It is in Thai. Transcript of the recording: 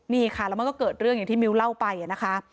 นี่ค่ะแล้วมันก็เกิดเรื่องอย่างที่มิ้วเล่าไปนะคะ